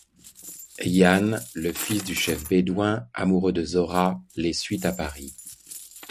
Jan, le fils du chef bédouin, amoureux de Zora, les suit à Paris.